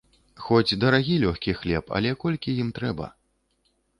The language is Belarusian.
Хоць дарагі лёгкі хлеб, але колькі ім трэба.